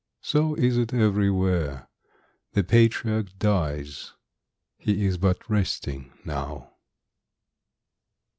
So is it everywhere, The patriarch dies; he is but resting now.